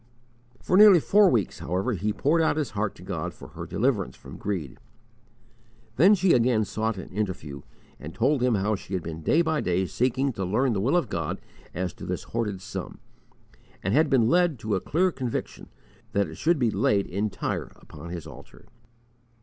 For nearly four weeks, however, he poured out his heart to God for her deliverance from greed. Then she again sought an interview and told him how she had been day by day seeking to learn the will of God as to this hoarded sum, and had been led to a clear conviction that it should be laid entire upon His altar.